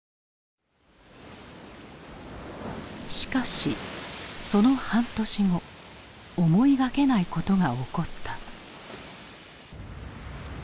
しかしその半年後思いがけないことが起こった。